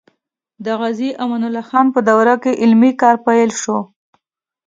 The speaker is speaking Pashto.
د غازي امان الله خان په دوره کې علمي کار پیل شو.